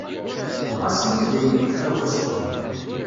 Ɣas ini dayen yekfa wass.